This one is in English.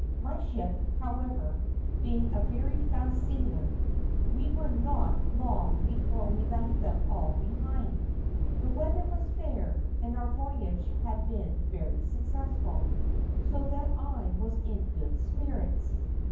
My ship, however, being a very fast sailor, we were not long before we left them all behind. The weather was fair, and our voyage had been very successful, so that I was in good spirits.